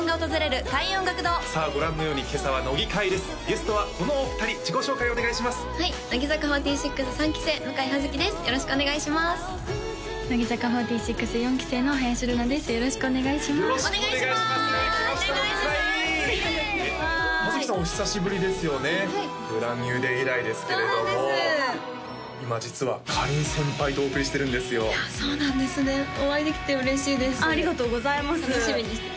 お会いできて嬉しいですあっ